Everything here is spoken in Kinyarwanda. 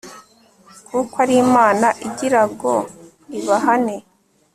kuko ari imana igira go ibahane